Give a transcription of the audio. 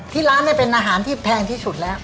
ที่ร้านเป็นอาหารที่แพงที่สุดแล้ว